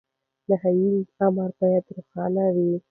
نهي امر بايد روښانه وي.